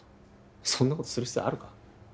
そんなことする必要あるか？